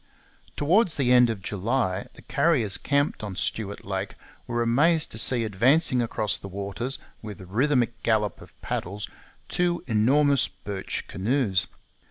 Towards the end of July the Carriers camped on Stuart Lake were amazed to see advancing across the waters, with rhythmic gallop of paddles, two enormous birch canoes.